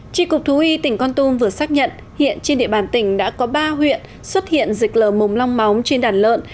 trị cục thú y tỉnh con tum vừa xác nhận hiện trên địa bàn tỉnh đã có ba huyện xuất hiện dịch lờ mồm long móng trên đàn lợn